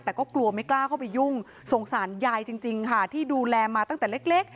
แต่ก็กลัวไม่กล้าเข้าไปยุ่งสงสารยายจริงค่ะที่ดูแลมาตั้งแต่เล็ก